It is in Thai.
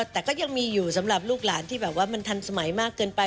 แต่ก็ยังมีอยู่สำหรับลูกหลานที่แบบว่ามันทันสมัยมากเกินไป